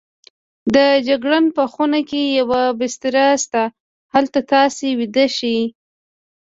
د جګړن په خونه کې یوه بستره شته، هلته تاسې ویده شئ.